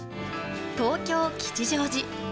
東京・吉祥寺。